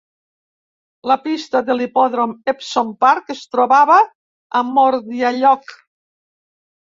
La pista de l'hipòdrom Epsom Park es trobava a Mordialloc.